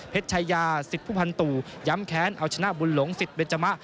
ชายาสิทธิผู้พันตู่ย้ำแค้นเอาชนะบุญหลงสิทธิเบจมะ